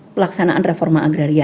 pelaksanaan reforma agraria